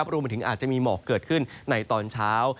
รวมไปถึงอาจจะมีหมอกเกิดขึ้นในตอนเช้า